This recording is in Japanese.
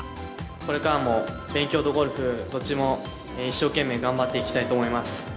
これからも勉強とゴルフ、どっちも一生懸命頑張っていきたいと思います。